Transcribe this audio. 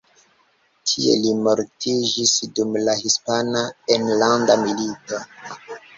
Tie li mortiĝis dum la Hispana Enlanda Milito.